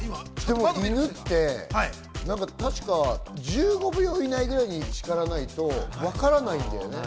犬って１５秒以内ぐらいに叱らないとわからないんだよね。